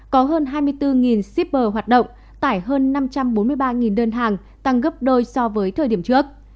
có hơn hai mươi bốn shipper hoạt động tải hơn năm trăm bốn mươi ba đơn hàng tăng gấp đôi so với thời điểm trước